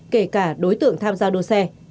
kể cả đối tượng tham gia đua xe